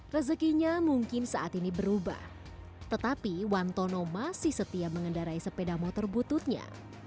rezekinya mungkin saat ini berubah tetapi wantono masih setia mengendarai sepeda motor bututnya